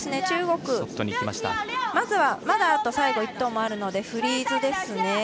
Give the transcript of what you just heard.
中国はまだ最後、１投あるのでフリーズですね。